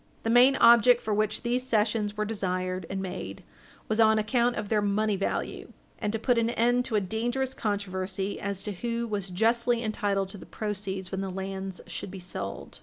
The main object for which these cessions were desired and made was on account of their money value, and to put an end to a dangerous controversy as to who was justly entitled to the proceeds when the lands should be sold.